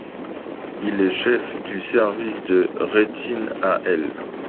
Il est Chef du service de rétine à l'.